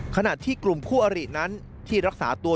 ขณะที่กลุ่มคู่อรินั้นที่รักษาตัว